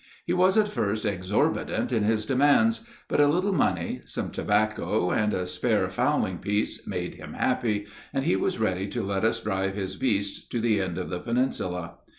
He was at first exorbitant in his demands; but a little money, some tobacco, and a spare fowling piece made him happy, and he was ready to let us drive his beasts to the end of the peninsula.